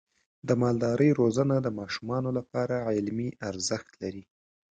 د مالدارۍ روزنه د ماشومانو لپاره علمي ارزښت لري.